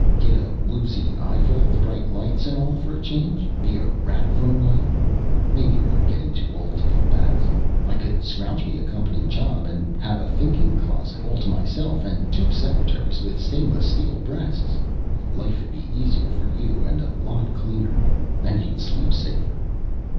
"Get a woozy eyeful of the bright lights and all for a change? Be a rat for a while? Maybe we're getting too old to be bats. I could scrounge me a company job and have a thinking closet all to myself and two secretaries with stainless steel breasts. Life'd be easier for you and a lot cleaner. And you'd sleep safer."